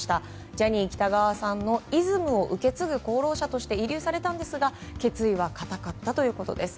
ジャニー喜多川さんのイズムを受け継ぐ功労者として慰労されたのですが決意は固かったということです。